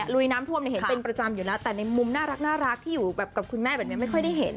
ลุยน้ำท่วมเห็นเป็นประจำอยู่แล้วแต่ในมุมน่ารักที่อยู่แบบกับคุณแม่แบบนี้ไม่ค่อยได้เห็น